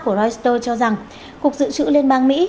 của reuters cho rằng cục dự trữ liên bang mỹ